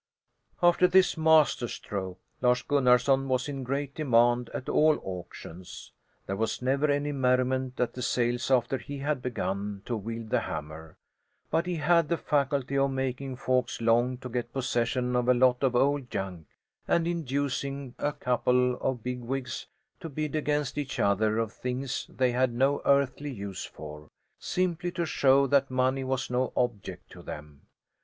After this master stroke Lars Gunnarson was in great demand at all auctions. There was never any merriment at the sales after he had begun to wield the hammer; but he had the faculty of making folks long to get possession of a lot of old junk and inducing a couple of bigwigs to bid against each other on things they had no earthly use for, simply to show that money was no object to them.